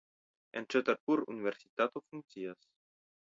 En Ĉatarpur universitato funkcias.